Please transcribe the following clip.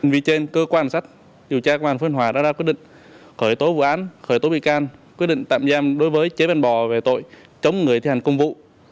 vì trên cơ quan sát điều tra công an phân hòa đã ra quyết định khởi tố vụ án khởi tố bị can quyết định tạm giam đối với chế văn bò về tội chống người thi hành công vụ